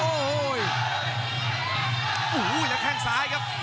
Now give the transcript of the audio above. โอ้โหแล้วแข้งซ้ายครับ